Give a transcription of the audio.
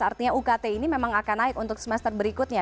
artinya ukt ini memang akan naik untuk semester berikutnya